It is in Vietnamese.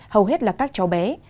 hầu hết là các cháu bé